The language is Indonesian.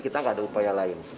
kita nggak ada upaya lain